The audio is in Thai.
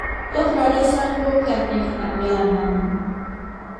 ก็เพราะได้สร้างร่วมกันในขณะเวลานั้น